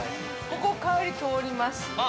◆ここ帰り、通ります？